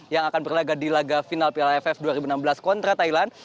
yang akan berlagak di laga final piala aff dua ribu enam belas kontra thailand